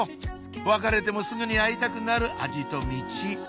わかれてもすぐに会いたくなる味とミチ